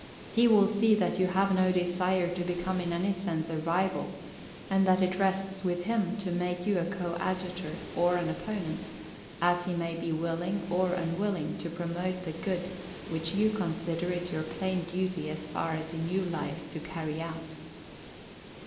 He will see that you have no desire to become in any sense a rival, and that it rests with him to make you a co adjutor or an opponent, as he may be willing or unwilling to promote the good which you consider it your plain duty as far as in you lies to carry out."